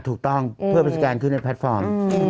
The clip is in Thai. ถูกต้องเพื่อไปสแกนขึ้นในแพลตฟอร์ม